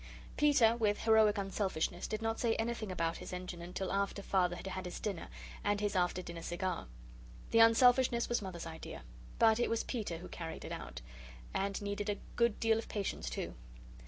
Peter, with heroic unselfishness, did not say anything about his Engine till after Father had had his dinner and his after dinner cigar. The unselfishness was Mother's idea but it was Peter who carried it out. And needed a good deal of patience, too.